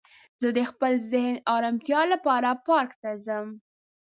زه د خپل ذهن ارامتیا لپاره پارک ته ځم